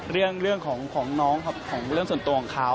เรื่องของน้องครับของเรื่องส่วนตัวของเขา